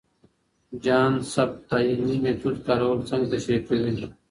جان سبت د علمي میتود کارول څنګه تشریح کوي؟